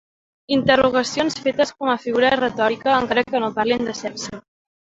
Interrogacions fetes com a figura retòrica, encara que no parlin de sexe.